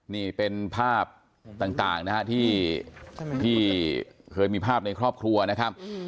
นี่เป็นภาพต่างนะฮะที่เคยมีภาพในครอบครัวนะครับ